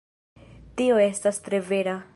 Tio estas tre vera.